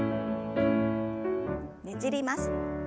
ねじります。